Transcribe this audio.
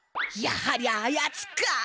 やはりあやつか！